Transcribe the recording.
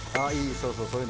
そうそう。